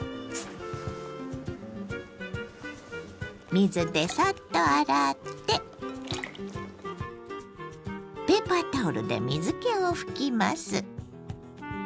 水でサッと洗ってペーパータオルで水けを拭きます。